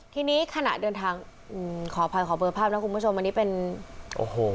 ทีนี้ขณะเดินทางขอเผยขอเปิดภาพนะครับคุณผู้ชมอันนี้เป็นโอ้โห